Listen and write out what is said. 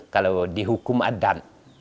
kalau dihukum adat